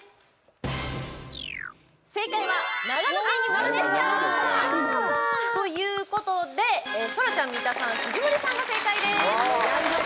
正解は、長野県に丸でした！ということで、そらちゃん三田さん、藤森さんが正解です！